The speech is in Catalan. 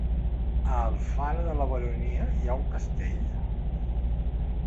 A Alfara de la Baronia hi ha un castell?